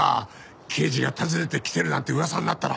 「刑事が訪ねてきてる」なんて噂になったら。